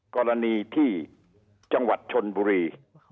กรณีที่จังหวัดชนบุรี